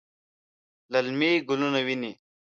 للمي ګلونه ویني